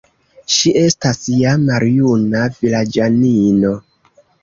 Ŝi estas ja maljuna vilaĝanino.